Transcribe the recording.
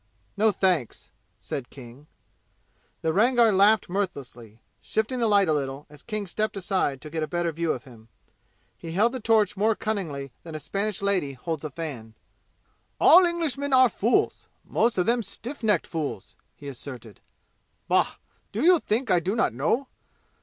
"No, thanks!" said King. The Rangar laughed mirthlessly, shifting the light a little as King stepped aside to get a better view of him. He held the torch more cunningly than a Spanish lady holds a fan. "All Englishmen are fools most of them stiff necked fools," he asserted. "Bah! Do you think I do not know?